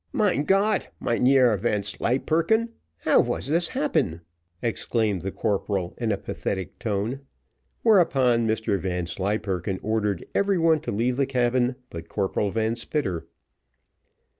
"Mein Got, Mynheer Vanslyperken, how was this happen?" exclaimed the corporal in a pathetic tone. Whereupon Mr Vanslyperken ordered every one to leave the cabin but Corporal Van Spitter.